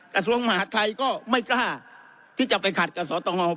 กระทรวงมหาดไทยก็ไม่กล้าที่จะไปขัดกับสตง